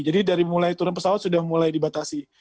jadi dari mulai turun pesawat sudah mulai dibatasi